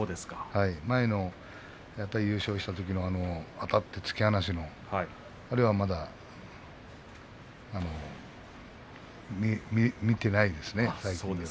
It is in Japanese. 前の優勝したときのあたって突き放すまだ見てないですね。